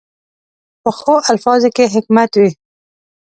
پخو الفاظو کې حکمت وي